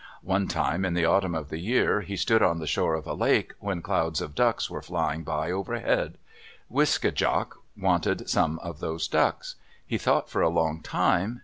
One time, in the autumn of the year, he stood on the shores of a lake, when clouds of ducks were flying by overhead. Wiske djak wanted some of those ducks. He thought for a long time.